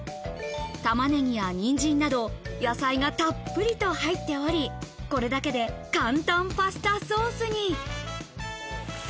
玉ねぎやにんじんなど、野菜がたっぷりと入っており、これだけで簡単パスタソースに。